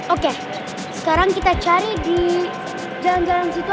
oke sekarang kita cari di jalan jalan situ